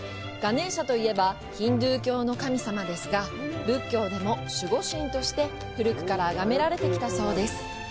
ガネーシャといえばヒンドゥー教の神様ですが、仏教でも守護神として古くからあがめられてきたそうです。